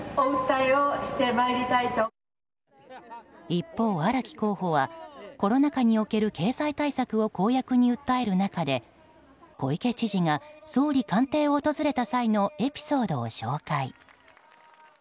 一方、荒木候補はコロナ禍における経済対策を公約に訴える中で、小池知事が総理官邸を訪れた際のエピソードを紹介。